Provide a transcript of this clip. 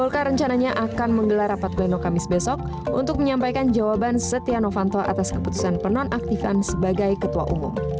golkar rencananya akan menggelar rapat pleno kamis besok untuk menyampaikan jawaban setia novanto atas keputusan penonaktifan sebagai ketua umum